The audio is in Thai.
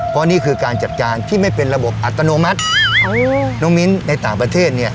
เพราะนี่คือการจัดการที่ไม่เป็นระบบอัตโนมัติน้องมิ้นในต่างประเทศเนี่ย